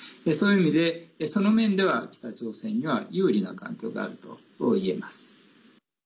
そういう意味でその面では北朝鮮には有利な環境があるといえます。